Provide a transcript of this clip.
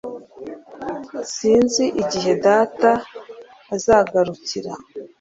Sinzi igihe data azagarukira